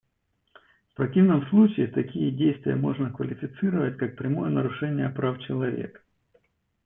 В противном случае, такие действия можно квалифицировать как прямое нарушение прав человека.